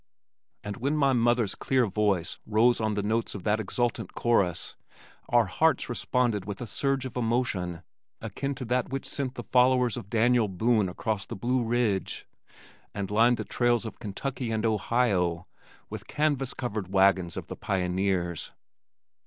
and when my mother's clear voice rose on the notes of that exultant chorus, our hearts responded with a surge of emotion akin to that which sent the followers of Daniel Boone across the Blue Ridge, and lined the trails of Kentucky and Ohio with the canvas covered wagons of the pioneers.